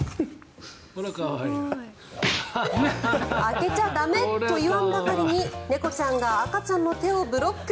開けちゃ駄目といわんばかりに猫ちゃんが赤ちゃんの手をブロック。